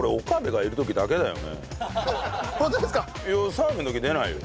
澤部の時出ないよ。